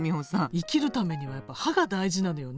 生きるためにはやっぱ歯が大事なのよね。